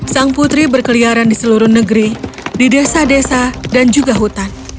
sang putri berkeliaran di seluruh negeri di desa desa dan juga hutan